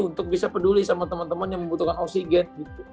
untuk bisa peduli sama teman teman yang membutuhkan oksigen